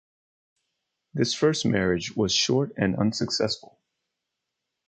This first marriage was short and unsuccessful.